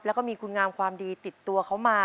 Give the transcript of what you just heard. แล้วก็มีคุณงามความดีติดตัวเขามา